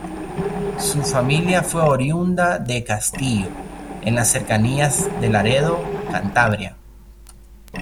Su familia fue oriunda de Castillo en las cercanías de Laredo, Cantabria.